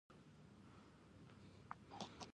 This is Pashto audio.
ایا زه باید پولیسو ته لاړ شم؟